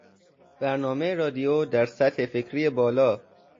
برنامهی رادیو در سطح فکری بالا